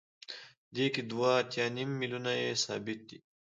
دې کې دوه اتیا نیم میلیونه یې ثابته ده